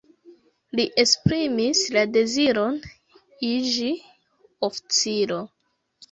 Li esprimis la deziron iĝi oficiro.